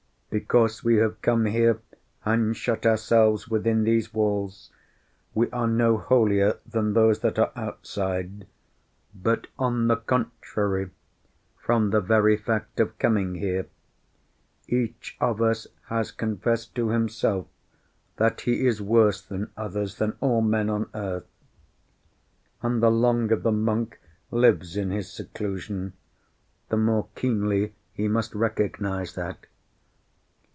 Because we have come here and shut ourselves within these walls, we are no holier than those that are outside, but on the contrary, from the very fact of coming here, each of us has confessed to himself that he is worse than others, than all men on earth.... And the longer the monk lives in his seclusion, the more keenly he must recognize that.